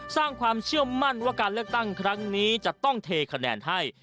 สร้างความเชื่อมั่นว่าการเลือกตั้งครั้งนี้จะต้องเทคะแนนให้